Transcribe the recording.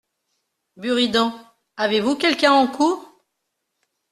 Buridan ; avez-vous quelqu’un en cour ?